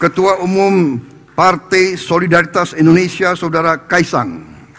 ketua umum partai solidaritas indonesia saudara kaisang